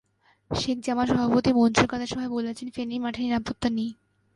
শেখ জামাল সভাপতি মনজুর কাদের সভায় বলেছেন, ফেনীর মাঠে নিরাপত্তা নেই।